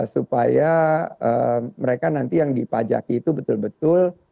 supaya mereka nanti yang dipajaki itu betul betul